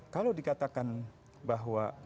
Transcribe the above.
kalau dikatakan bahwa